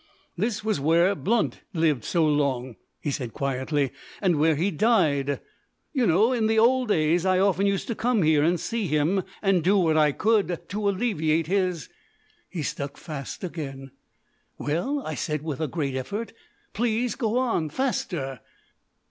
"This was where Blount lived so long," he said quietly, "and where he died. You know, in the old days I often used to come here and see him, and do what I could to alleviate his " He stuck fast again. "Well!" I said with a great effort. "Please go on faster."